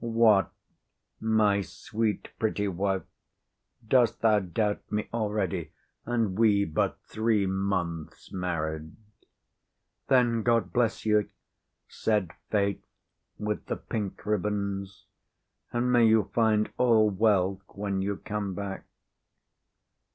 What, my sweet, pretty wife, dost thou doubt me already, and we but three months married?" "Then God bless you!" said Faith, with the pink ribbons; "and may you find all well when you come back."